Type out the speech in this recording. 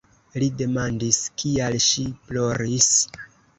Li demandis, kial ŝi ploris.